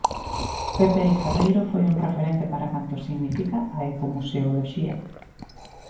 Pepe el Ferreiro foi un referente para canto significa a ecomuseoloxía.